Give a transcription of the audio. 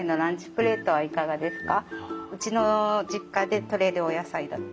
プレートはいかがですか？